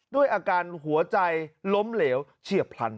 ด้วยอาการหัวใจล้มเหลวเฉียบพลัน